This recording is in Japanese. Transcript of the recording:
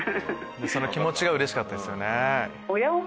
その気持ちがうれしかったんですね。